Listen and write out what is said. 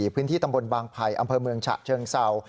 พื้นที่ตำบลบางไผ่อำเภอเมืองฉะเชิงเศร้า